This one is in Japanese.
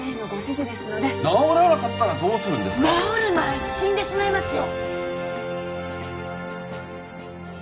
治る前に死んでしまいますよ！